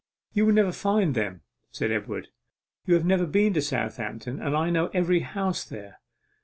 'You will never find them,' said Edward. 'You have never been to Southampton, and I know every house there.